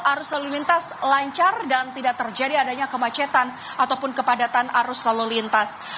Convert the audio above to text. arus lalu lintas lancar dan tidak terjadi adanya kemacetan ataupun kepadatan arus lalu lintas